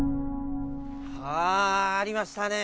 はぁありましたね。